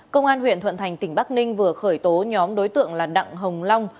công an huyện thuận thành tỉnh bắc ninh vừa khởi tố nhóm đối tượng là đặng hồng long